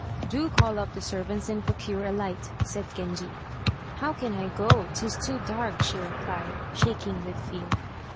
"Do call up the servants and procure a light," said Genji. "How can I go, 'tis too dark," she replied, shaking with fear.